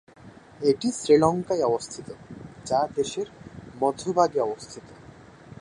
এটি শ্রীলঙ্কায় অবস্থিত, যা দেশের মধ্যভাগে অবস্থিত।